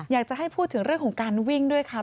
อยากจะให้พูดถึงเรื่องของการวิ่งด้วยค่ะ